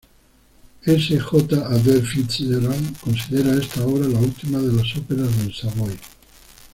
S. J. Adair Fitz-Gerald considera esta obra la última de las óperas del Savoy.